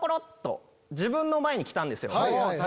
っと自分の前に来たんですよ。